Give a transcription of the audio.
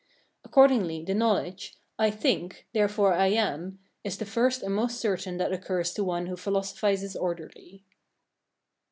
Accordingly, the knowledge, I THINK, THEREFORE I AM, is the first and most certain that occurs to one who philosophizes orderly.